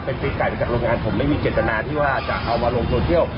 เป็นตีนไก่ไปกับโรงงานผมไม่มีเจนตนาที่ว่าจะเอามาลงโซเที่ยว